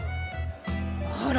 あら？